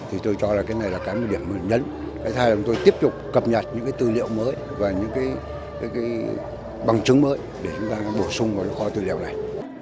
thì tôi cho là cái này là cái điểm nhất thay đổi tôi tiếp tục cập nhật những tư liệu mới và những bằng chứng mới để chúng ta bổ sung vào kho tư liệu này